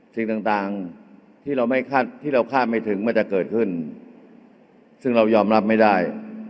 สิ่งต่างที่เราไม่คาดที่เราคาดไม่ถึงมันจะเกิดขึ้นซึ่งเรายอมรับไม่ได้